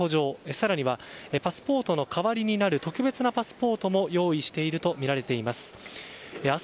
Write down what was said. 更にはパスポートの代わりになる特別なパスポートも用意しているとみられています。